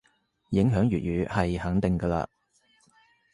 影響粵語係肯定嘅嘞